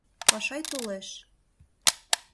Пашай толеш.